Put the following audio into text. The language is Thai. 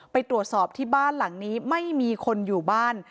ไปตรวจสอบที่บ้านหลังนี้ไม่มีคนอยู่บ้าน